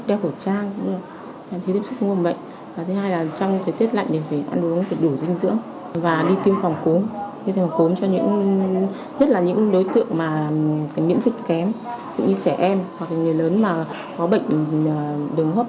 đường hô hấp mãn tính